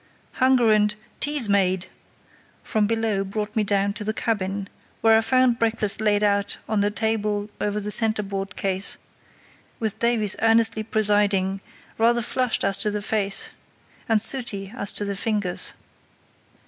Hunger and "Tea's made!" from below brought me down to the cabin, where I found breakfast laid out on the table over the centreboard case, with Davies earnestly presiding, rather flushed as to the face, and sooty as to the fingers.